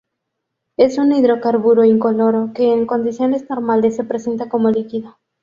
Es un hidrocarburo incoloro que en condiciones normales se presenta como líquido.